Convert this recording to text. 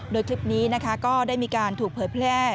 โดยคลิปนี้นะคะก็ได้มีการถูกเผยแพร่